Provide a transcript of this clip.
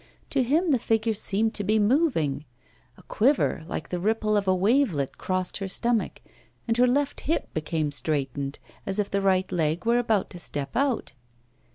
To him the figure seemed to be moving; a quiver like the ripple of a wavelet crossed her stomach, and her left hip became straightened, as if the right leg were about to step out.